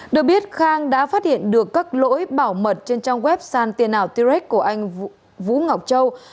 được biết khang đã phát hiện được các lỗi bảo mật trên trong web sàn tiền ảo t rex của anh vũ ngọc châu